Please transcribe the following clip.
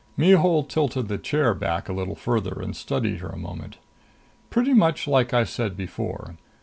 Mihul tilted the chair back a little farther and studied her a moment. "Pretty much like I said before.